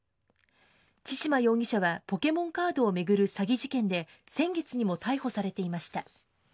千島容疑者はポケモンカードを巡る詐欺事件で、先月にも逮捕されていました。